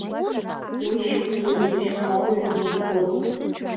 Уи шьоукгьы рыбжьқәа алҩны игон.